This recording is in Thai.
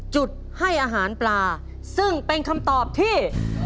จุดให้อาหารปลาซึ่งเป็นคำตอบที่